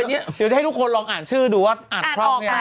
เดี๋ยวจะให้ทุกคนลองอ่านชื่อดูว่าอ่านคล่องเนี่ย